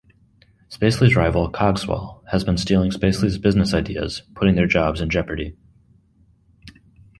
Spacely's rival, Cogswell, has been stealing Spacely's business ideas, putting their jobs in jeopardy.